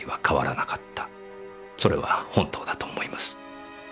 それは本当だと思います。